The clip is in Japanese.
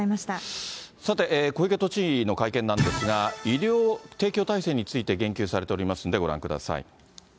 さて、小池都知事の会見なんですが、医療提供体制について言及されておりますのでご覧ください。